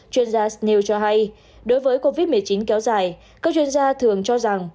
chuyên gia snew cho hay đối với covid một mươi chín kéo dài các chuyên gia thường cho rằng